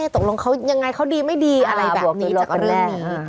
ตกลงเขายังไงเขาดีไม่ดีอะไรแบบนี้จากเรื่องนี้